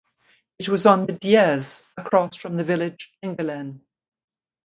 It was on the Dieze across from the village Engelen.